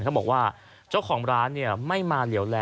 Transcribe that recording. เขาบอกว่าเจ้าของร้านไม่มาเหลี่ยวแล